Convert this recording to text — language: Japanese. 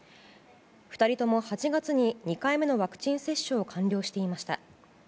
２人とも８月に２回目のワクチン接種を完了していました。